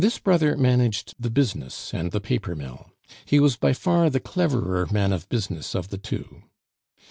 This brother managed the business and the paper mill; he was by far the cleverer man of business of the two.